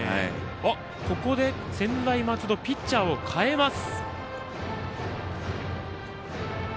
ここで専大松戸ピッチャーを代えます。